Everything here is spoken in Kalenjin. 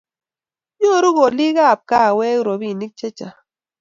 Nyoru kolikab kahawek robinik chechang